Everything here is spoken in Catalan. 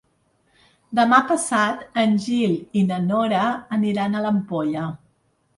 Demà passat en Gil i na Nora aniran a l'Ampolla.